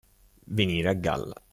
Venire a galla.